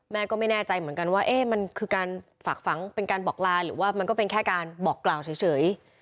แม่ก็ไม่แน่ใจเหมือนกันว่ามันคือการฝากฝังเป็นการบอกลาหรือว่ามันก็เป็นแค่การบอกกล่าวเฉย